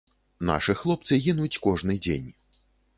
Нашы хлопцы гінуць кожны дзень.